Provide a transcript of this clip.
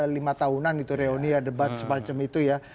lima tahunan itu reuni ya debat semacam itu ya